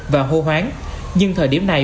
và hô hoán nhưng thời điểm này